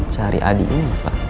cari adi ini pak